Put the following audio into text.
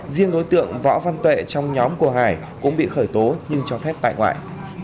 riêng đối tượng võ văn tuệ trong nhóm của hải cũng bị khởi tố nhưng cho phép tại ngoại